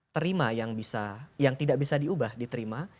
terima yang bisa yang tidak bisa diubah diterima